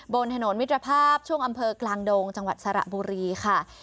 บนถนนมิตรภาพช่วงอำเภอกลางดงจังหวัดสระบุรีค่ะ